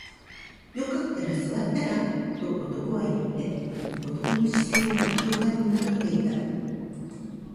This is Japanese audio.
よかったら座ったらと男は言って、男の視線は一斗缶に戻っていた